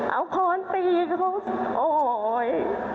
เอาค้อนตีเขาอาย